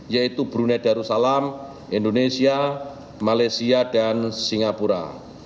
yaitu brunei darussalam indonesia malaysia dan singapura